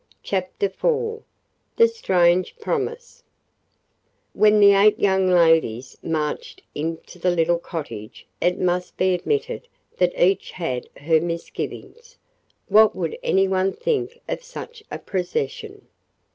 CHAPTER IV THE STRANGE PROMISE When the eight young ladies marched into the little cottage it must be admitted that each had her misgivings. What would any one think of such a procession?